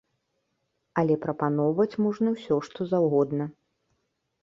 Але прапаноўваць можна ўсё што заўгодна.